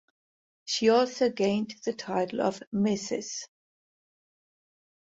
She also gained the title of Mrs.